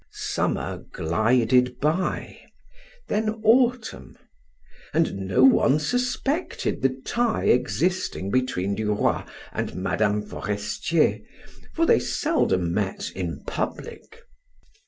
Summer glided by; then autumn, and no one suspected the tie existing between Duroy and Mme. Forestier, for they seldom met in public.